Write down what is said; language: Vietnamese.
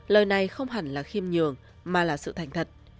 lời này không hẳn là khiêm nhường mà là sự thành thật